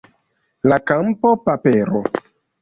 La kampo, papero